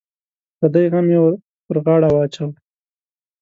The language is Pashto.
پردی غم یې پر غاړه واچوه.